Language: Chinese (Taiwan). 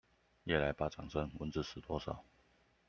夜來巴掌聲，蚊子死多少